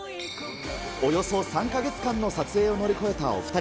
およそ３か月間の撮影を乗り越えたお２人。